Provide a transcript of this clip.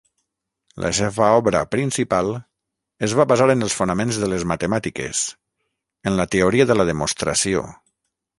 La seva obra principal es va basar en els fonaments de les matemàtiques, en la teoria de la demostració.